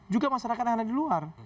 juga masyarakat yang ada di luar